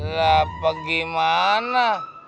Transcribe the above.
lah pergi mana